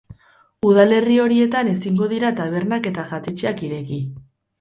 Udalerri horietan ezingo dira tabernak eta jatetxeak ireki.